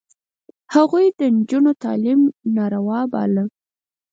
هغوی د نجونو تعلیم ناروا باله.